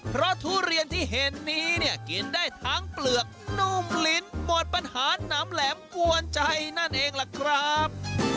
เพราะทุเรียนที่เห็นนี้เนี่ยกินได้ทั้งเปลือกนุ่มลิ้นหมดปัญหาน้ำแหลมกวนใจนั่นเองล่ะครับ